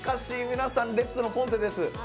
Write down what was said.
皆さんレッズのポンテです。